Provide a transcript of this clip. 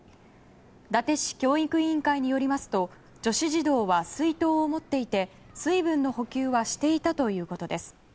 伊達市教育委員会によりますと女子児童は水筒を持っていて水分の補給はしていたということです。